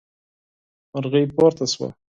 مرغۍ پورته شوه.